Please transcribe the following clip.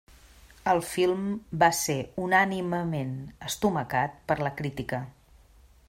El film va ser unànimement estomacat per la crítica.